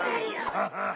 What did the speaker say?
ハハハハ！